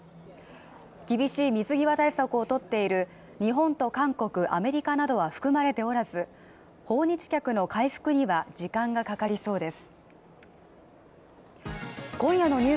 厳しい水際対策を取っている日本と韓国アメリカなどは含まれておらず訪日客の回復には時間がかかりそうです